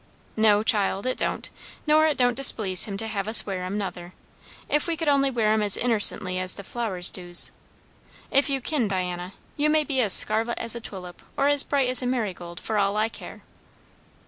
"No, child, it don't; nor it don't displease him to have us wear 'em, nother, if we could only wear 'em as innercently as the flowers doos. If you kin, Diana, you may be as scarlet as a tulip or as bright as a marigold, for all I care."